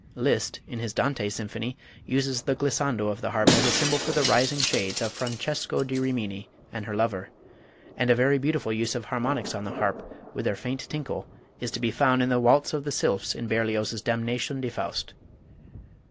Liszt, in his "Dante Symphony," uses the glissando of the harp as a symbol for the rising shades of Francesco da Rimini and her lover, and a very beautiful use of harmonics on the harp with their faint tinkle is to be found in the Waltz of the Sylphs in Berlioz's "Damnation de Faust."